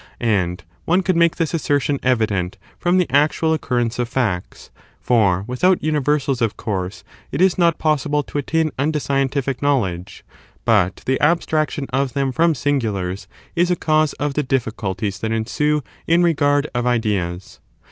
And one cpuld make this assertion evident ^j g^^^ ^ from the actual occurrence of facts ; for without this theory is imiversals, of course, it is not possible to attain JlSters^of Set. unto scientific knowledge : but the abstraction of them from singulars is a cause of the difficulties that ensue in regard of ideas.